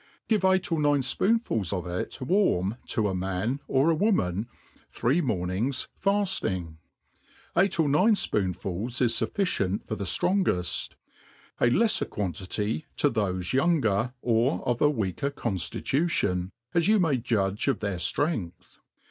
(Jive eight or nine fpoonfuls of it warm to a man, or a woman, three mornings faf^iag. Eight or nine fpoonfuU is lufficient for the ftrongeft j a leffer quantity to thofe younger, or of a weaker conAitution, as you may judge of their flrength.